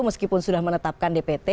meskipun sudah menetapkan dpt